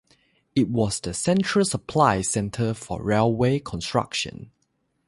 It was the central supply centre for railway construction.